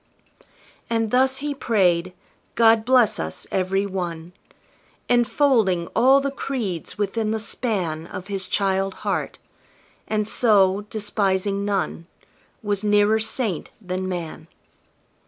And thus he prayed, "God bless us every one!" Enfolding all the creeds within the span Of his child heart; and so, despising none, Was nearer saint than man.